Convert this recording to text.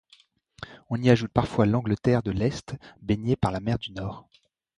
On y ajoute parfois l'Angleterre de l'Est, baigné par la mer du Nord.